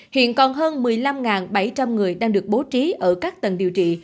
hiện còn hơn một mươi năm bảy trăm linh người đang được bố trí ở các tầng điều trị